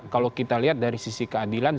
kalau kita lihat dari sisi keadilan